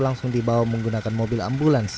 langsung dibawa menggunakan mobil ambulans